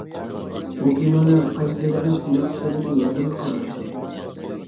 بۇ كىنونىڭ قايسى دۆلەتنىڭ كىنوسى ئىكەنلىكى يادىمدا قالماپتۇ.